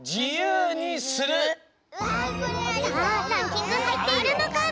さあランキングにはいっているのか！